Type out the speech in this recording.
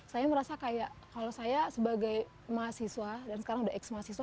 saya merasa kayak kalau saya sebagai mahasiswa dan sekarang udah ex mahasiswa